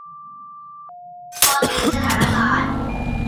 เกาะติดสถานการณ์